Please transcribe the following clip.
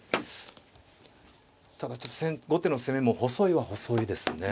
ただちょっと後手の攻めも細いは細いですね。